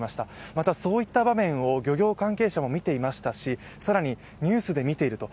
またそういった場面を漁業関係者も見ていましたし、更にニュースで見ていると。